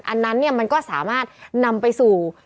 อันนั้นเนี่ยมันก็สามารถนำไปสู่